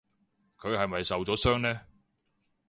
佢係咪受咗傷呢？